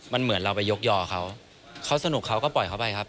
มันเหมือนเราไปยกยอเขาเขาสนุกเขาก็ปล่อยเขาไปครับ